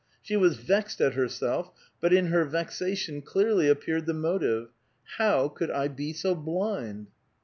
She was vexed at herself, but in her vexation clearly appeared the motive. *' How could I be so blind